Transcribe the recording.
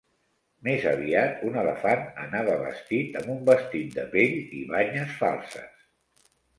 Més aviat, un elefant anava vestit amb un vestit de pell i banyes falses.